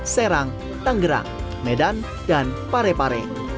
serang tanggerang medan dan parepare